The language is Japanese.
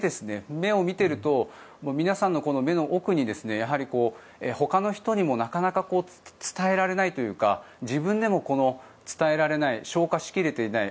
目を見ていると皆さんの目の奥にやはりほかの人にもなかなか伝えられないというか自分でも伝えられない消化しきれていない